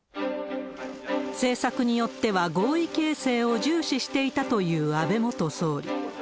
政策によっては合意形成を重視していたという安倍元総理。